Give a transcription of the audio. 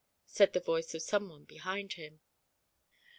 said the voice of some one behind him.